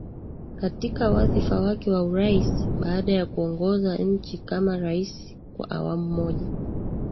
katika wadhifa wake wa Urais Baada ya kuongoza nchi kama rais kwa awamu moja